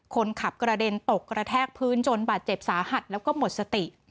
คนขับกระเด็นตกกระแทกพื้นจนบาดเจ็บสาหัสแล้วก็หมดสติ